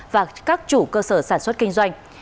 và các chủ cơ sở sản xuất kinh doanh